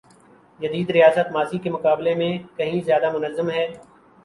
جدید ریاست ماضی کے مقابلے میں کہیں زیادہ منظم ہے۔